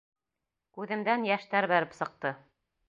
Күҙемдән йәштәр бәреп сыҡты.